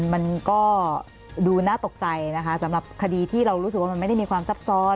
มันก็ดูน่าตกใจนะคะสำหรับคดีที่เรารู้สึกว่ามันไม่ได้มีความซับซ้อน